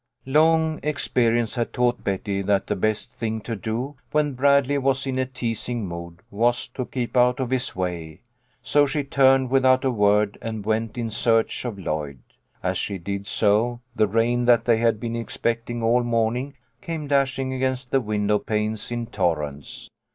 Long experience had taught Betty that the best thing to do, when Bradley was in a teasing mood, was to keep out of his way, so she turned without a word and went in search of Lloyd. As she did so, the rain that they had been expecting all morning came dashing against the window panes in torrents.